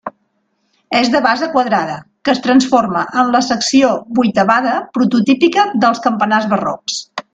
És de base quadrada, que es transforma en la secció vuitavada prototípica dels campanars barrocs.